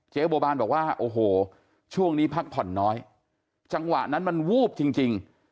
บัวบานบอกว่าโอ้โหช่วงนี้พักผ่อนน้อยจังหวะนั้นมันวูบจริง